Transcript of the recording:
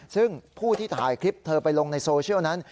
ซึ่งผู้ที่ถ่ายคลิปเธอไปลงในโซเชียลนั้น